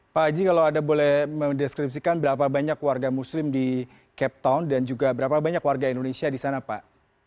pak haji kalau anda boleh mendeskripsikan berapa banyak warga muslim di cape town dan juga berapa banyak warga indonesia di sana pak